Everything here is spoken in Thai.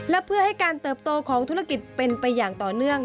และเพื่อให้การเติบโตของธุรกิจเป็นไปอย่างต่อเนื่อง